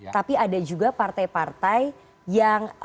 tapi ada juga partai partai yang